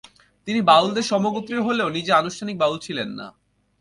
তিনি বাউলদের সমগোত্রীয় হলেও নিজে আনুষ্ঠানিক বাউল ছিলেন না।